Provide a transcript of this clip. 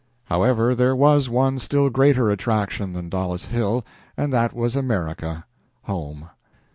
However, there was one still greater attraction than Dollis Hill, and that was America home.